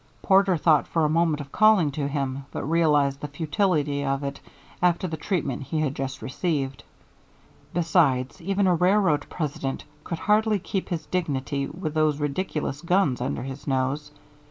Porter thought for a moment of calling to him, but realized the futility of it after the treatment he had just received. Besides, even a railroad president could hardly keep his dignity with those ridiculous guns under his nose.